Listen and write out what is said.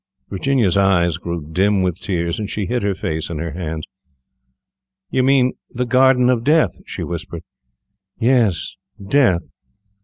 Virginia's eyes grew dim with tears, and she hid her face in her hands. "You mean the Garden of Death," she whispered. "Yes, death.